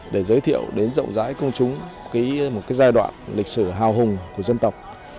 để giới thiệu đến rộng rãi công chúng một giai đoạn lịch sử hào hùng của dân tộc